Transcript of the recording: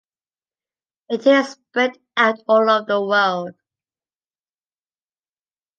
It is spread out all over the world.